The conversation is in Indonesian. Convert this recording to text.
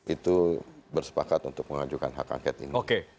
itu bersepakat untuk mengajukan hak angket ini